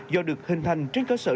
do được hình thành trên cơ sở